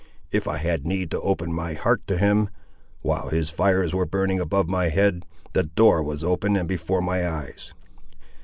If I had need to open my heart to him, while his fires were burning above my head, the door was open and before my eyes.